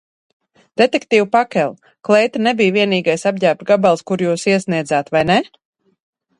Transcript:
Detektīv Pakel, kleita nebija vienīgais apģērba gabals, kuru jūs iesniedzāt, vai ne?